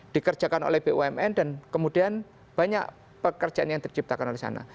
dikerjakan oleh bumn dan kemudian banyak pekerjaan yang terciptakan oleh sana